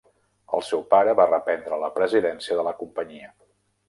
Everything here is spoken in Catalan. El seu pare va reprendre la presidència de la companyia.